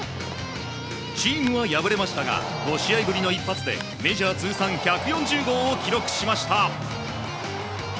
チームは敗れましたが５試合ぶりの一発でメジャー通算１４０号を記録しました。